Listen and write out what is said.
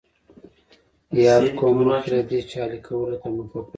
یاد قوم مخکې له دې چې اهلي کولو ته مخه کړي